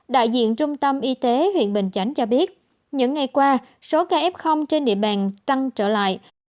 đại diện trung tâm y tế huyện bình chánh cho biết những ngày qua số ca f trên địa bàn tăng trở lại